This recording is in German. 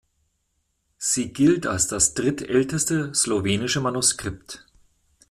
Sie gilt als das drittälteste slowenische Manuskript.